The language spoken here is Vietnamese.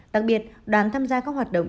đặc biệt đoàn tham gia các hoạt động